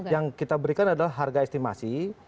yang kita berikan adalah harga estimasi